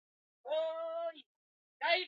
Fika nyumbani leo